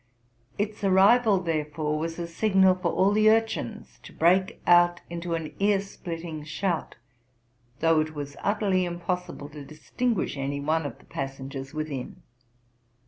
Its arrival, therefore, was a signal for all the urchins to break out into an ear splitting shout, though it was utterly impos sible to distinguish any one of the passengers within.